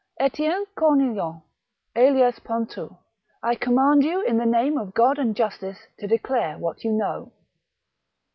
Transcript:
" Etienne Cornillant, alias Pontou, I command you in the name of God and of justice, to declare what you know."